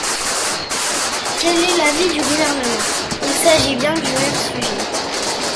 Quel est l’avis du Gouvernement ? Il s’agit bien du même sujet.